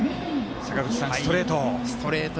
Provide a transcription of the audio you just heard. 坂口さん、ストレート。